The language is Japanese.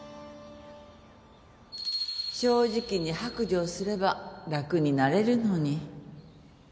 正直に白状すれば楽になれるのに